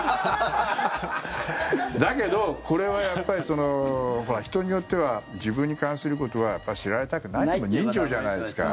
だけどこれは人によっては自分に関することは知られたくないっていうのも人情じゃないですか。